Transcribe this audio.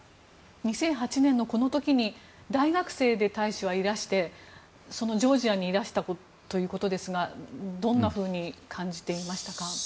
２００８年のこの時に大使は大学生でいらしてそのジョージアにいらしたということですがどんなふうに感じていましたか。